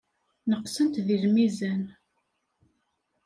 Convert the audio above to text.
Neqsent deg lmizan.